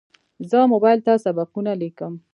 زه موبایل ته سبقونه لیکم.